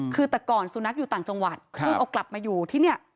คือแต่ก่อนสุนัขอยู่ต่างจังหวัดเพิ่งเอากลับมาอยู่ที่นี่